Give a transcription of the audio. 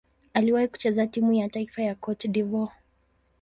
Aliwahi kucheza timu ya taifa ya Cote d'Ivoire.